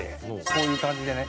こういう感じでね。